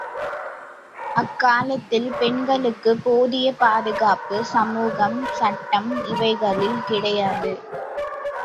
அக்காலத்தில் பெண்களுக்கு போதிய பாதுகாப்பு சமூகம் சட்டம் இவைகளில் கிடையாது.